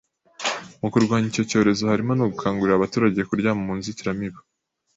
mu kurwanya icyo cyorezo harimo no gukangurira abaturage kuryama mu nzitiramibu.